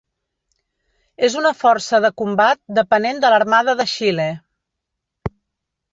És una força de combat depenent de l'Armada de Xile.